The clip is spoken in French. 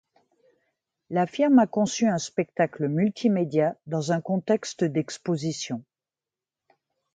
La firme a conçu un spectacle multimédia dans un contexte d’exposition.